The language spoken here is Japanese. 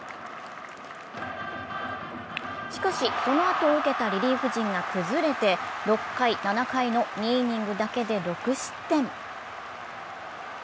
しかし、その後を受けたリリーフ陣が崩れて６回、７回の２イニングだけで６失点。